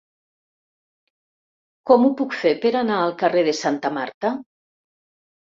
Com ho puc fer per anar al carrer de Santa Marta?